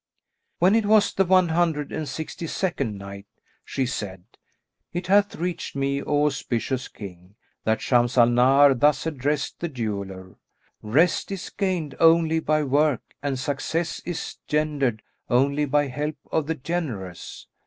When it was the One Hundred and Sixty second Night, She said, It hath reached me, O auspicious King, that Shams al Nahar thus addressed the jeweller, "Rest is gained only by work and success is gendered only by help of the generous.